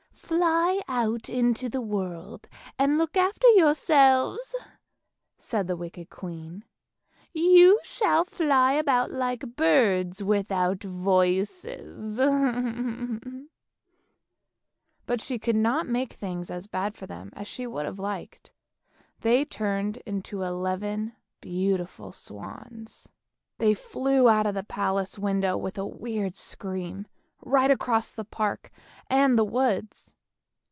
" Fly out into the world and look after yourselves," said the wicked queen; "you shall fly about like birds without voices." But she could not make things as bad for them as she would have liked; they turned into eleven beautiful wild swans. They 37 38 ANDERSEN'S FAIRY TALES flew out of the palace window with a wierd scream, right across the park and the woods.